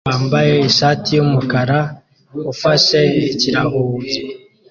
Umugabo wambaye ishati yumukara ufashe ikirahuri